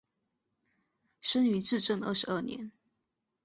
生于至正二十二年。